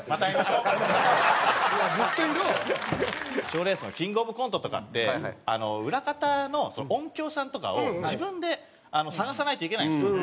賞レースのキングオブコントとかって裏方の音響さんとかを自分で探さないといけないんですよ。